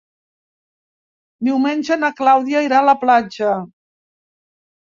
Diumenge na Clàudia irà a la platja.